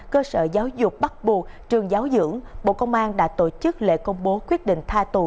cơ sở giáo dục bắt buộc trường giáo dưỡng bộ công an đã tổ chức lễ công bố quyết định tha tù